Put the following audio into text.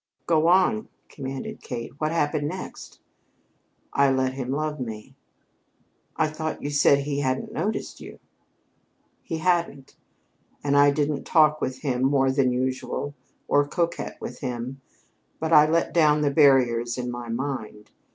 "Go on!" commanded Kate. "What happened next?" "I let him love me!" "I thought you said he hadn't noticed you." "He hadn't; and I didn't talk with him more than usual or coquette with him. But I let down the barriers in my mind.